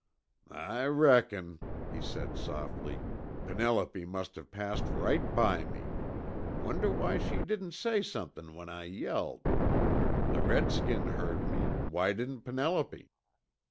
"I reckon," he said softly, "Penelope must have passed right by me. Wonder why she didn't say somethin' when I yelled. The redskin heard me; why didn't Penelope?"